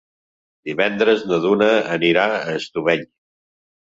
Divendres na Duna anirà a Estubeny.